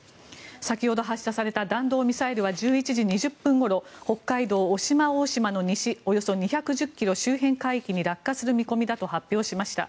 先ほど発射された弾道ミサイルは１１時２０分ごろ北海道・渡島大島の西およそ２１０ｋｍ周辺海域に落下する見込みだと発表しました。